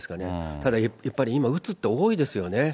ただやっぱり今うつって多いですよね。